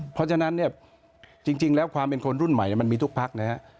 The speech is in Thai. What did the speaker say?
เพราะฉะนั้นเนี่ยจริงแล้วความเป็นคนรุ่นใหม่มันมีทุกพักนะฮะ